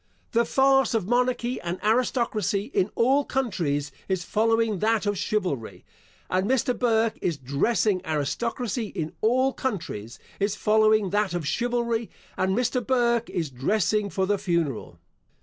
The farce of monarchy and aristocracy, in all countries, is following that of chivalry, and Mr. Burke is dressing aristocracy, in all countries, is following that of chivalry, and Mr. Burke is dressing for the funeral.